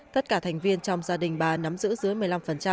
tất cả thành viên trong gia đình bà nắm giữ dưới một mươi năm